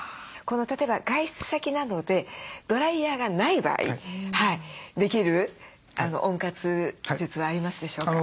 例えば外出先などでドライヤーがない場合できる温活術はありますでしょうか？